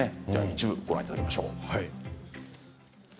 一部ご覧いただきましょう。